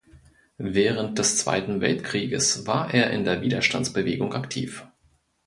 Während des Zweiten Weltkrieges war er in der Widerstandsbewegung aktiv.